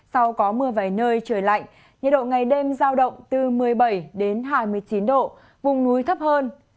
sau có mưa vài nơi trời lạnh nhiệt độ ngày đêm giao động từ một mươi bảy đến hai mươi chín độ vùng núi thấp hơn